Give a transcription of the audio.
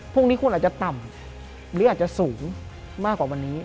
พรุ่งนี้คุณอาจจะต่ำหรืออาจจะสูงมากกว่าวันนี้